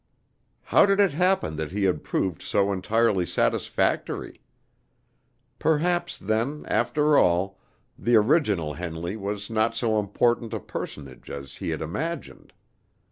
How did it happen that he had proved so entirely satisfactory? Perhaps, then, after all, the original Henley was not so important a personage as he had imagined.